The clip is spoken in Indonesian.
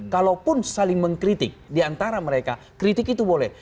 kalaupun saling mengkritik diantara mereka kritik itu boleh